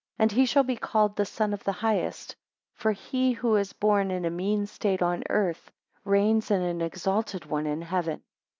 12 And he shall be called the Son of the Highest; for he who is born in a mean state on earth, reigns in an exalted one in heaven.